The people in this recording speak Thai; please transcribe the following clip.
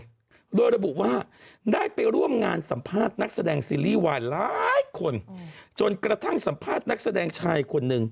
เออขอรีเซ็ตชีวิตก่อนนะครับ